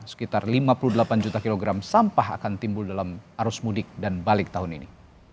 sekitar lima puluh delapan juta kilogram sampah akan timbul dalam arus mudik dan balik tahun ini